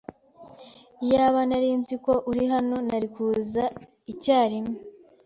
Iyaba nari nzi ko uri hano, nari kuza icyarimwe.